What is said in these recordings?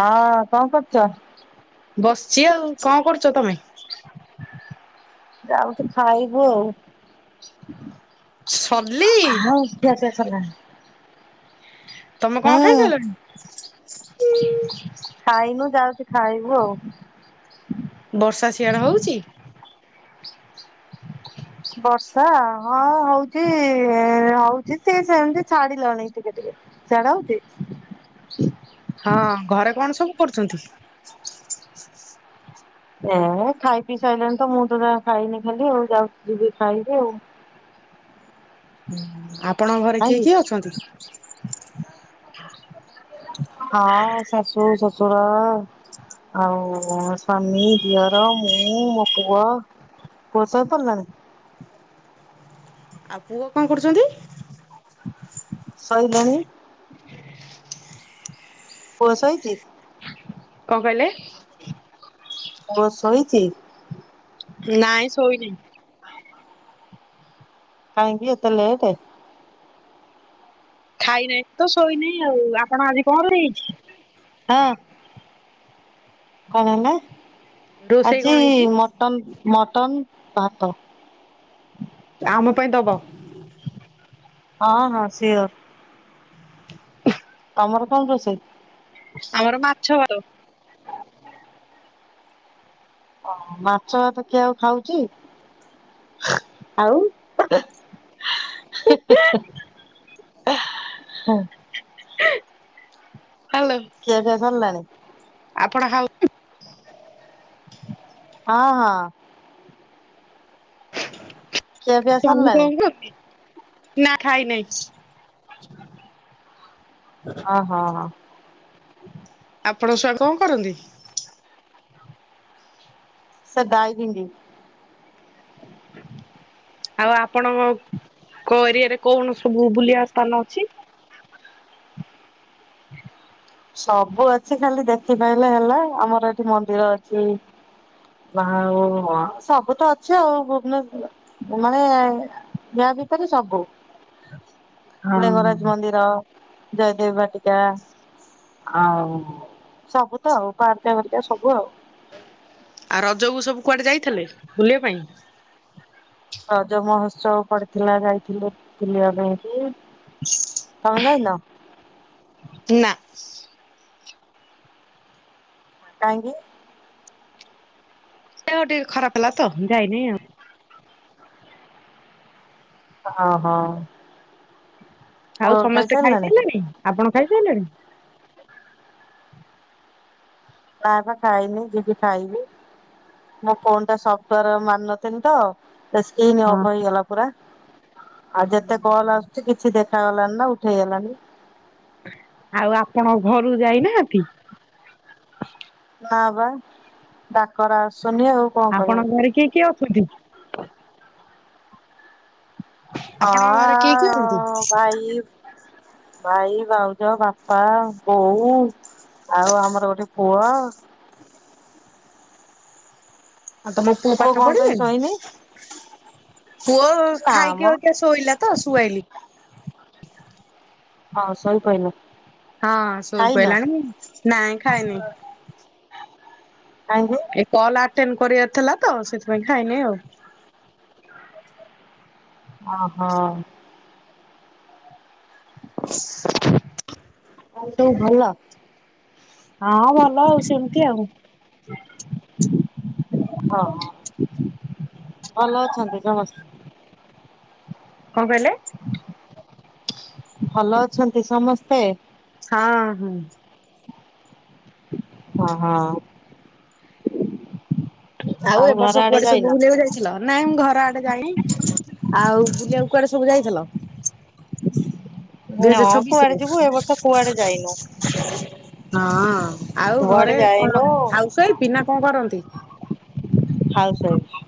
ହଁ କଣ କରୁଛ? ବସିଛି ଆଉ କଣ କରୁଛ ତମେ? ଯାଉଛି ଖାଇବୁ ସଲି ଆଉ [unintelligible] [unintelligible] ତମେ କଣ ହୁଁ ଖାଇ ସାଇଲଣି? ଖାଇନୁ ଯାଉଛି ଖାଇବୁ ଆଉ। ବର୍ଷା ସିଆଡେ ହଉଛି? ବର୍ଷା ହଁ ହଉଛି ଏ ହଉଛି ସେ ସେମତି ଛାଡି ଯାଉଛି ଟିକେ ଟିକେ। ସିଆଡେ ହଉଛି? ହଁ ଘରେ କଣ ସବୁ କରୁଛନ୍ତି? ଏ ଖାଇ ପିଇ ସାଇଲଣି ତ ମୁଁ ତ ଯା ଖାଇନି ଖାଲି ଆଉ ଯାଉ ଯିବି ଖାଇବି ଆଉ। [inaudible] ହୁଁ ଆପଣଙ୍କ ଘରେ କାଇଁ କିଏ କି? କିଏ ଅଛନ୍ତି? ହଁ ଶାଶୁ ଶ୍ୱଶୁର। ଆଉ ମୋ ସ୍ଵାମୀ ଦିଅର ମୁଁ ମୋ ପୁଅ। ପୁଅ ଶୋଇ ପଡ଼ିଲାନି? ଆଉ ପୁଅ କଣ କରୁଛନ୍ତି? ସଇଲାଣି। ପୁଅ ଶୋଇଛି? କଣ କହିଲେ? ପୁଅ ଶୋଇଛି? ନାଇଁ ଶୋଇନାହିଁ। କାହିଁକି ଏତେ ଲେଟ? ଖାଇନାହିଁ ତ ଶୋଇନେଇ ଆଉ ଆପଣ ଆଜି କଣରେ ହେଇଛି? ହଁ କଣ ହେଲା ରୋଷେଇ ଆଜି କଣ ହେଇଛି? ମ ଟନ୍ ମଟନ୍, ଭାତ। ଆମ ପାଇଁ ଦବ। ହଁ, ହଁ ସିଓର୍। ତୋମର କଣ ରୋଷେଇ? ଆମର ମାଛ। ଭାତ। ଓହୋ, ମାଛ ଭାତ କିଏ ଆଉ ଖାଉଚି? ଆଉ। [unintelligible] ହାଲୋ। ଖିଆପିଆ ସରଲାଣି? ଆପଣ ଆଉ ହଁ, ହଁ। ଖିଆ ପିଆ ତୋମେ ସରିଲାଣି ଖାଇଚ? ନା ଖାଇ ନାହିଁ। ଓହୋ, ହୋ। ଆପଣଙ୍କ [unintelligible] କଣ କରନ୍ତି? ସେ ଦାଇ ହିନ୍ଦି। [inaudible] ଆଉ ଆପଣଙ୍କ କୋଉ ଏରିଆ ରେ କଣ ସବୁ ବୁଲିବା ସ୍ଥାନ ଅଛି? ସବୁ ଅଛି ଖାଲି ଦେଖିପାଇଲେ ହେଲା। ଆମର ଏଠି ମନ୍ଦିର ଅଛି। ବାହା ଉ, ଅ, ସବୁ ତ ଅଛି ଆଉ ଭୁବନେଶ୍ୱର। ମାନେ ୟା ଭିତରେ ସବୁ। ହଁ ଲିଙ୍ଗରାଜ ମନ୍ଦିର, ଜୟଦେବ ବାଟିକା। ଆଉ ସବୁ ତ ଆଉ ପାର୍କ ହରିକା ସବୁ ଆଉ। ଆଉ ରଜକୁ ସବୁ କୁଆଡେ ଯାଇଥିଲେ ବୁଲିବା ପାଇଁ? ରଜ ମହୋତ୍ସବ ପଡିଥିଲା ଯାଇଥିଲେ ବୁଲିବା ପାଇଁ ସେଠି। ତୋମେ ଯାଇନ? ନା। କାହିଁକି? ଦେହ ଟିକେ ଖରାପ ହେଲା ତ ଯାଇନି ଆଉ। ତ ଅ, ହଁ। ଆଉ ସମସ୍ତେ ଖାଇସାରିଲାଣି? ଖାଇସାଇଲେଣି, ଆପଣ ଖାଇସାଇଲେଣି? ନା ପା ଖାଇନି, ଯିବି ଖାଇବି, ମୋ ଫୋନ୍ ଟା ସଫ୍ଟୱାର୍ ମାନ ଥିନି ତ, ଏ ସ୍କିନ୍ ହଁ ଅଫ୍ ହେଇଗଲା ପୁରା, ଆଉ ଯେତେ କଲ୍ ଆସ କିଛି ଦେଖାଗଲାନି ନା ଉଠେଇ ହେଲାନି। ଆଉ ଆପଣ ଘରକୁ ଯାଇନାହାନ୍ତି? ନା ବା ଡାକରା ଆସୁନି ଆଉ। କଣ କରିବୁ ଆପଣଙ୍କ ଘରେ କିଏ କିଏ ଅଛନ୍ତି? ଅ, ଆପଣଙ୍କ ଘରେ କିଏ କିଏ ଅଛନ୍ତି? ଭାଇ ଭାଇ, ଭାଉଜ, ବାପା, ବୋଉ ଆଉ ଆମର ଗୋଟେ ପୁଅ। ଆଉ ତୋମ ପୁଅ ପାଠ କଣ ପାଇଁ ପଢିଲାଣି? ଶୋଇନି ପୁଅ ନା ଖାଇକି ମ ଅବିକା ଶୋଇଲା ତ ଶୁଆଇଲି। ହଁ ଶୋଇ ପଇଲା। ହଁ ଶୁଇ ପଇଲାଣି ନାଇଁ ଖାଇନି। କାହିଁକି? ଏ କଲ୍ ଆଟେଣ୍ଡ କରିବାର ଥିଲା ତ ସେଥିପାଇଁ ଖାଇନି ଆଉ। ଓ ହୋ। ଆଉ ସବୁ ଭଲ? ହଁ ଭଲ ଆଉ ସେମିତି ଆଉ। ଓହୋ। ଭଲ ଅଛନ୍ତି ସମସ୍ତେ? କଣ କହିଲେ? ଭଲ ଅଛନ୍ତି ସମସ୍ତେ? ହଁ ହଁ। ହଁ ହଁ। ଆଉ ଏ ବର୍ଷ କୁଆଡେ ସବୁ ବୁଲିବାକୁ ଯାଇ ଥିଲ। ନାଇଁ ମୁଁ ଘର ଆଡେ ଯାଇନି। ଆଉ ବୁଲିବା କୁ କୁଆଡେ ସବୁ ଯାଇଥିଲ? ଦୁଇ ନା ହଜାର ଛବିସ୍ ରେ? କୁଆଡେ ଯିବୁ ଏ ବର୍ଷ କୁଆଡେ ଯାଇନୁ ହଁ। ଆଉ କୁଆଡେ ଘରେ ଯାଇନୁ କଣ? ହାଉସ୍ ୱାଇଫ୍ ନା କଣ କରନ୍ତି? Housewife.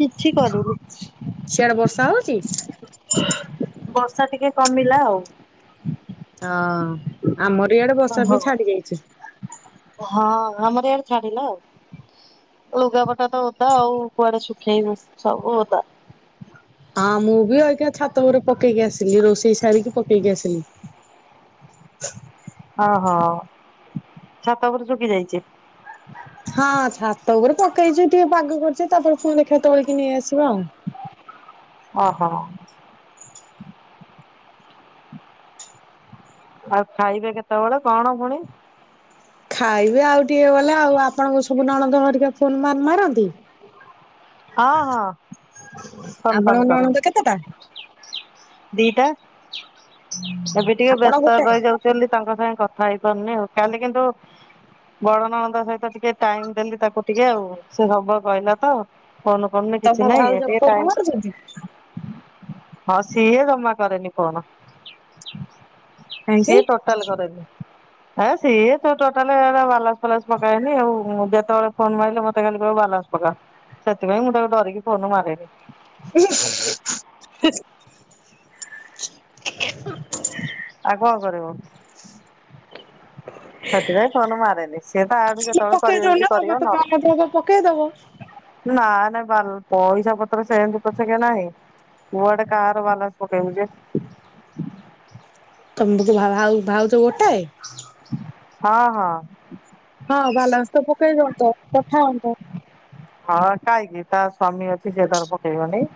କିଛି କରୁନି। ସିଆଡେ ବର୍ଷା ହେଉଛି? ବର୍ଷା ଟିକେ କମିଲା ଆଉ। ହଁ ଆମର ଇଆଡେ ବର୍ଷା ଓହୋ ବି ଛାଡି ଯାଇଛି। ହଁ ଆମର ଇଆଡେ ଛାଡିଲା ଆଉ। ଲୁଗାପଟା ତ ଓଦା ଆଉ କୁଆଡେ ଶୁଖେଇ ବୁ ସବୁ ଓଦା। ହଁ ମୁଁ ବି ଅଇକା ଛାତ ଉପରେ ପକେଇକି ଆସିଲି। ରୋଷେଇ ସାରିକି ପକେଇକି ଆସିଲି। ହ ହ। ଛାତ ଉପରୁ ଶୁଖି ଯାଇଛି। ହଁ ଛାତ ଉପରେ ପକେଇଛି ଟିକେ ପାଗ କରିଛି ତାପରେ ଫୁଣି ଦେଖା ତୋଳିକି ନେଇଆସିବା ଆଉ। ଓହୋ। ଆଉ ଖାଇବେ କେତେବେଳେ କଣ ଫୁଣି? ଖାଇବେ ଆଉ ଟିକେ ଗଲେ। ଆଉ ଆପଣଙ୍କୁ ସବୁ ନଣନ୍ଦ ହରିକା ଫୋନ୍ ମ ମାରନ୍ତି? ହଁ ହଁ ଫୋନ ଫାନ ଆପଣଙ୍କ କର। ନଣନ୍ଦ ତ କେତେଟା? ଦିଟା। ଏବେ ଟିକେ ଆପଣ ବ୍ୟସ୍ତ ରେ ଗୋଟାଏ। ରହି ଯାଉ ସେମତି ତାଙ୍କ ସାଙ୍ଗେ କଥା ହେଇପାରୁନି ଆଉ। କାଲି କିନ୍ତୁ ବଡ ନଣନ୍ଦ ସହିତ ଟିକେ ଟାଇମ୍ ଦେଲି, ତାକୁ ଟିକେ ଆଉ ସେ ସବୁ କହିଲା ତ। ଫୋନ୍ କରୁନି ତମ କିଛି ନାହିଁ ଭାଉଜ ଏମିତି ଏ ଫୋନ ଟାଇମ୍ ମାରୁଛନ୍ତି? ତ ହଁ ସିଏ ଜମା କରରେନି ଫୋନ୍। କାହିଁକି? ସିଏ ଟୋଟାଲେ କରେନି। ଆ ସିଏ ତ ଟୋଟାଲି ବାଲାନ୍ସ ଫାଲାସ ପକାଏନି ଆଉ ଯେତେବେଳେ ଫୋନ୍ ମାରିଲେ ମତେ ସେ ଖାଲି କହିବ ବାଲାନ୍ସ ପକା। ସେଥି ପାଇଁ ମୁଁ ତାଙ୍କୁ ଡରିକି ଫୋନ୍ ମରେନି। [inaudible] ଆଉ କଣ କରିବ? [inaudible] ସେଥିଲାଗି ଫୋନ୍ ମାରେନି। ସିଏ ତା ଆଡୁ ଖାଲି ଯେତେବେଳେ ପକେଇ କରିବ ଦଉନ ଯଦି ତମେ କରିବ ତ ନ ପାନଭୋଗ ପକେଇଦବ। ହେଲେ ନାଇଁ। ନା ନାଇଁ ବା ପଇସା ପତ୍ର ସେମିତି ପଛକେ ନାହିଁ କୁଆଡେ କାହାର ବାଲାନ୍ସ ପକେଇବୁ ଯେ। ତମେ ଟିକେ ଭା ଆ ଭାଉଜ ଗୋଟାଏ ହଁ ହଁ। ହଁ ବାଲାନ୍ସ ତ ପକେଇ ଦିଅନ୍ତ କଥା ହୁଅନ୍ତ। ହଁ କାହିଁକି ତା ସ୍ଵାମୀ ଅଛି ସେ ତାର ପକେଇବନି।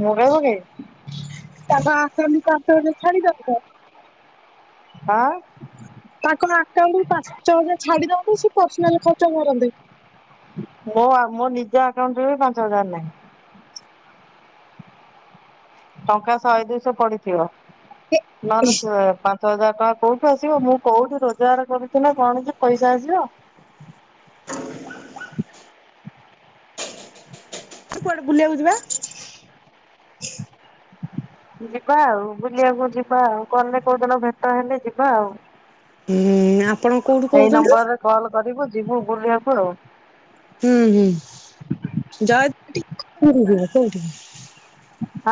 ମୁଁ କାଇଁ ପକେଇବି। [unintelligible] ଆ ତାଙ୍କ ଆକାଉଣ୍ଟରୁୁ ପାଞ୍ଚ ହଜାର ଛାଡିଦବୁ ସେ ପର୍ସନାଲି ଖର୍ଚ୍ଚ କରନ୍ତେ? ମୋ ମୋ ନିଜ ଆକାଉଣ୍ଟରେ ବି ପାଞ୍ଚ ହଜାର ନାହିଁ। ଟଙ୍କା ଶହେ ଦୁଇଶହ ପଡିଥିବ। ନହେଲେ ସେ ପାଞ୍ଚ ହଜାର ଟଙ୍କା କୋଉଠୁ ଆସିବ? ମୁଁ କୋଉଠି ରୋଜଗାର କରୁଚିନା କଣ ଯେ ପଇସା ଆସିବ? [inaudible] କୁଆଡେ ବୁଲିବାକୁ ଯିବା। ଯିବା ଆଉ ବୁଲିବାକୁ ଯିବା ଆଉ ଗଲେ କୋଉ ଦିନ ଭେଟ ହେଲେ ଯିବା ଆଉ। ହୁଁ ଆପଣ କୋଉଠୁ ଏଇ କହୁଛନ୍ତି ନମ୍ବରରେ କଲ କରିବୁ ଯିବୁ ବୁଲିବାକୁ ଆଉ। ହୁଁ ହୁଁ ଜୟଦେବ ଭାଟିକା କୋଉଠିକି ଯିବ କୋଉଠିକି।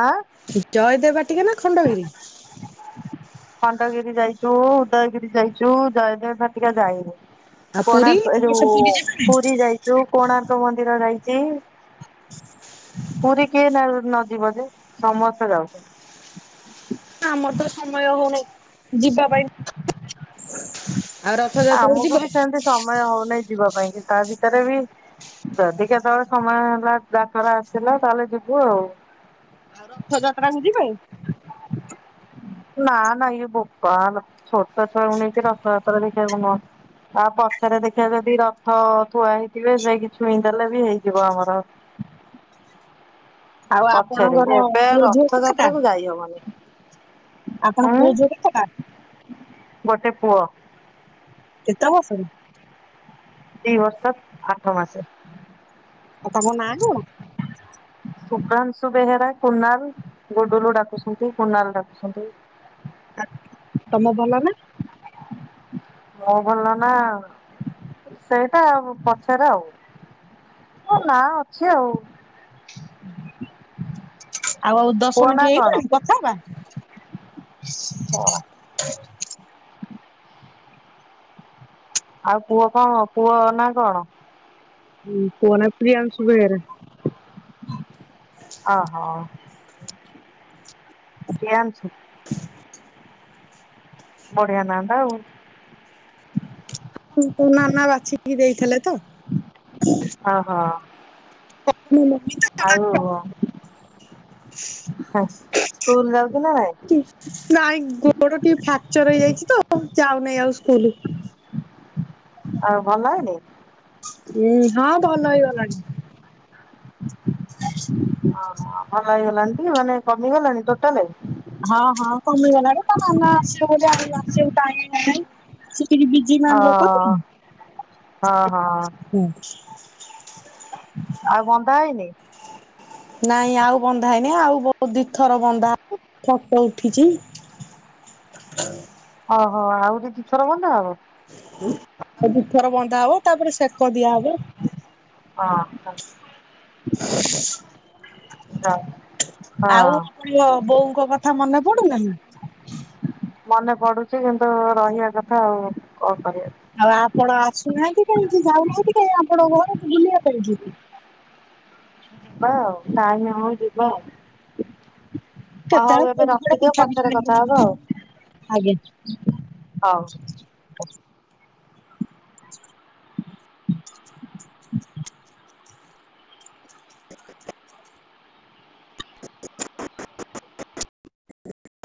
ଆଁ। ଜୟଦେବ ବାଟିକା ନା ଖଣ୍ଡଗିରି। ଖଣ୍ଡଗିରି ଯାଇଛୁ ଉଦୟଗିରି ଯାଇଛୁ ଜୟଦେବ ଭାଟିକା ଯାଇନୁ। ଆଉ ପୁରୀ କୋଣାର୍କ ଏ ବର୍ଷ ଯଉ ପୁରୀ ଯିବାନି ପୁରୀ ଯାଇଚୁ। ଯଉ କୋଣାର୍କ ମନ୍ଦିର ଯାଇଚି। ପୁରୀ କିଏ ନଯିବ ଯେ ସମସ୍ତେ ଯାଉଛନ୍ତି। ଆମର ତ ସମୟ ହଉନି ଯିବା ପାଇଁ। ଆଉ ରଥଯାତ୍ରାକୁ ଆମକୁ ଯିବେ ବି ସେମତି ସମୟ ହଉନାହିଁ ଯିବା ପାଇଁ କି ତା ଭିତରେ ବି ଯଦି କେତେବେଳେ ସମୟ ହେଲା ଡାକରା ଆସିଲା ତାହେଲେ ଯିବୁ ଆଉ। ଆଉ ରଥଯାତ୍ରା କୁ ଯିବେ। ନା ନା ଇଏ ବୋପାଲୋ ଛୋଟା ଛୁଆ କୁ ନେଇ କି ରଥଯାତ୍ରା ଦେଖିବାକୁ ନୁହଁ। ଆଉ ପଛରେ ଦେଖିବା ଯଦି ରଥ ଥୁଆ ହେଇଥିବେ ଯାଇଁ କି ଛୁଇଁଦଲେ ବି ହେଇଯିବ ଆମର। ଆଉ ପଛରେ ଆପଣଙ୍କର ଏବେ ପୁଅ ଝିଅ କେତେଟା ରଥଯାତ୍ରା କୁ ଯାଇହବନି। ଆପଣ ପୁଅ ଝୁଅ କେତେଟା? ଗୋଟେ ପୁଅ। କେତେ ବର୍ଷ ରେ। ଦି ବର୍ଷ ଆଠ ମାସେ। ଆଉ ତାଙ୍କ ନାଁ କଣ। ହୁ [inaudible] ସୁଭ୍ରାଂଶୁ ବେହେରା କୁନାଲ ଗୁଡୁଲୁ ଡାକୁଛନ୍ତି କୁନାଲ ଡାକୁଛନ୍ତି। ତମ ଭଲ ନା। ମୋ ଭଲ ନା ସେଇଟା ଆଉ ପଛରେ ଆଉ। ମୋ ନା ଅଛି ଆଉ। ଆଉ ଆଉ ଦଶ ପୁଅ ନା ମିନିଟ କଣ? ହେଇଗଲାଣି କଥା ହବା। [inaudible] ଶଳା ଆଉ ପୁଅ କଣ ପୁଅ ନା କଣ। ହୁଁ ପୁଅ ନାଁ ପ୍ରିୟଂଶୁ ବେହେରା। [inaudible] ଅ ହ। ପ୍ରିଆନ୍ସୁ। ବଢିଆ ନାଁ ଟା ଆଉ। କୁନାନା ବାଛିକି ଦେଇଥିଲେ ତ? ଅ ହ। [unintelligible] ସ୍କୁଲ ଯାଉ ଚି ନା ନାଇଁ। ନାଇଁ ଗୋଡ ଟିକେ ଫ୍ରାକ୍ଚର ହେଇଯାଇଛି ତ ଯାଉନି ଆଉ ସ୍କୁଲ। ଆଉ ଭଲ ହେଇନି। ଉଁ ହଁ ଭଲ ହେଇଗଲାଣି। ଅ ହ ଭଲ ହେଇଗଲାଣି ଟି ମାନେ କମିଗଲାଣି ଟୋଟାଲେ। ହଁ ହଁ କମିଗଲାଣି ତା ନନା ଆସିବ ବୋଲି ଆଉ ଆସିବାକୁ ଟାଇମ୍ ନାହିଁ ସେ ଟିକେ ବିଜି। ବିଜି ଓ ମ୍ୟାନ ଲୋକ ତ ହଁ ହଁ ହୁଁ। ଆଉ ବନ୍ଧା ହେଇନି। ନାଇଁ ଆଉ ବନ୍ଧା ହେଇନି ଆଉ ବହୁତ ଦୀଥର ବନ୍ଧା ଫଟ ଉଠିଛି। [inaudible] ଅ ହ ଆଉ ରି ଦିଥର ବନ୍ଧା ହବ। ଆଉ ଦିଥର ବନ୍ଧା ହବ ତାପରେ ସେକ ଦିଆ ହବ। ଅ ହ। ଆଉ ହଁ ହଁ [unintelligible] ବୋଉଙ୍କ କଥା ମନେ ପଡୁ ନାହିଁ? ମନେ ପଡୁଛି କିନ୍ତୁ ରହିବା କଥା ଆଉ। କଁ କରିବା? ଆଉ ଆପଣ ଆସୁନାହିଁ କାହିଁକି ଯାଉ ନାହାଁନ୍ତି କାଇଁ ଆପଣ ଘରକୁ ବୁଲିବା ପାଇଁକି? ହଁ ଟାଇମ୍ ହଉ ଯିବା। ଅ ହଉ କେତେବେଳେ ଏବେ ପୋଡ ଫୋଡ ରଖିଦିଅ ପିଠା ପିଠା ପଛରେ କଥା ନେଇକି ହବା ଯିବେ ଆଉ। ଆଜ୍ଞା। ହଉ। [inaudible]